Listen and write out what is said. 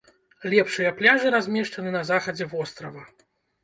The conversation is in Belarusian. Лепшыя пляжы размешчаны на захадзе вострава.